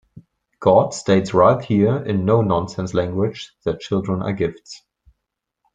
God states right here in no-nonsense language that children are gifts.